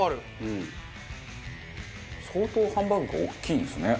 相当ハンバーグが大きいんですね。